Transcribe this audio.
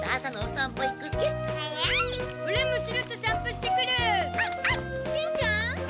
しんちゃん！